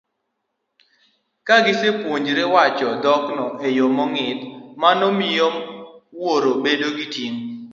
Ka gisepuonjore wacho dhokno e yo mong'ith, mano miyo wuoro bedo gi ting'